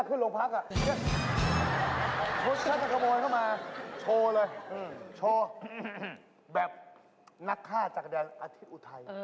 โชชั่นกระโบยเข้ามาโชว์เลยแบบนักฆ่าจากแดงอาทิตย์อุทัย